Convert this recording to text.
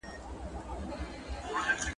د ماشوم ژړا د پاملرنې غبرګون پاروي.